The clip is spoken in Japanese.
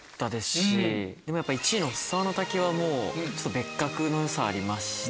でもやっぱ１位の払沢の滝はもう別格の良さありましたね。